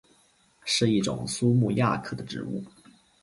是一种苏木亚科的植物。